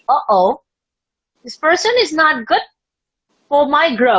oh oh orang ini tidak baik untuk kembangku